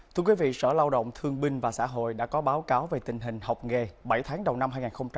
thưa quý vị sở lao động thương binh và xã hội đã có báo cáo về tình hình học nghề bảy tháng đầu năm hai nghìn hai mươi ba